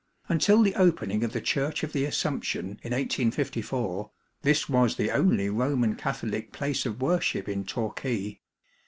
Until the opening of the Church of the Assumption in 1854, this was the only Roman Catholic place of worship in Torquay.